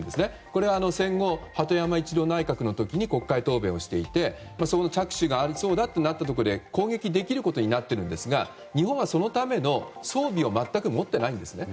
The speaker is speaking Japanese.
これは戦後、鳩山一郎内閣の時に国会答弁をしていて、その着手がありそうだとなった時に攻撃できることになっているんですが日本はそのための装備を全く持っていないんですね。